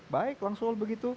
baik langsung begitu